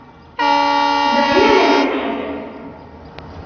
دعينا لا نتحدث.